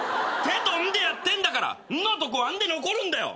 テとンでやってんだからンのとこはンで残るんだよ！